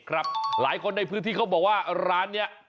หลายคนในพื้นที่เขาบอกว่าร้านนี้